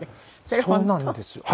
そうなんですよ。